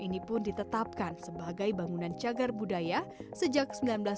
ini pun ditetapkan sebagai bangunan cagar budaya sejak